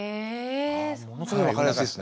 ものすごい分かりやすいですね。